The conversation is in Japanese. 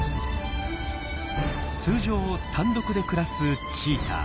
通常単独で暮らすチーター。